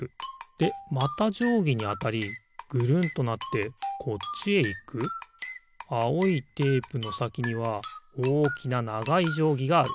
でまたじょうぎにあたりぐるんとなってこっちへいくあおいテープのさきにはおおきなながいじょうぎがある。